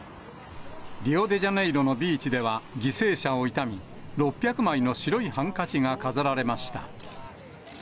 リオデジャネイロのビーチでは、犠牲者を悼み、６００枚の白いハンカチが飾られました。